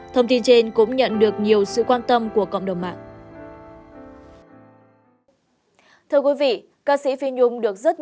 thông tin trên cũng nhận được nhiều sự quan tâm của cộng đồng mạng